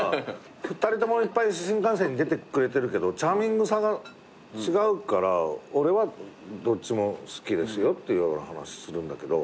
２人ともいっぱい新感線に出てくれてるけどチャーミングさが違うから俺はどっちも好きですよっていうような話するんだけど。